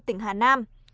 tỉnh hà nam